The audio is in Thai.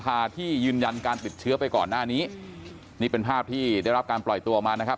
พาที่ยืนยันการติดเชื้อไปก่อนหน้านี้นี่เป็นภาพที่ได้รับการปล่อยตัวออกมานะครับ